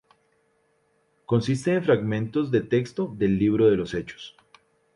Consiste en fragmentos de texto del libro de los Hechos.